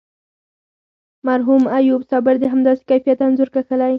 مرحوم ایوب صابر د همداسې کیفیت انځور کښلی.